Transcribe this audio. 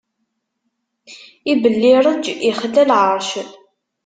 Ibellireǧ ixla lɛeṛc.